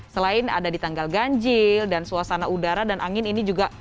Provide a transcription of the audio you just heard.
selain ada di tanggal ganjil dan suasana udara dan angin ini juga